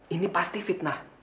ini pasti fitnah